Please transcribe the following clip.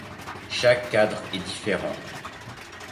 Chaque cadre est différent.